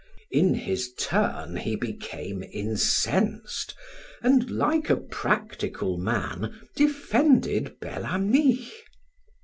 In his turn he became incensed, and like a practical man defended Bel Ami.